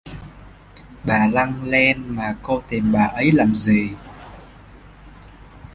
Bà lăng len mà cô tìm bà ấy làm gì